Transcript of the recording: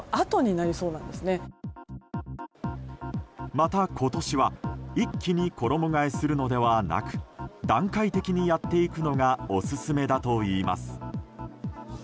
また、今年は一気に衣替えするのではなく段階的にやっていくのがオススメだといいます。